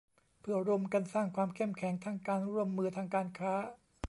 เพื่อร่วมกันสร้างความเข้มแข็งทางการร่วมมือทางการค้า